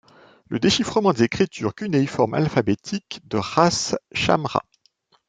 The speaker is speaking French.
Le déchiffrement des écritures cunéiformes alphabétique de Ras-Shamra.